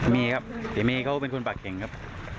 มีครับเมียเค้าเป็นคนปลาแข็งครับ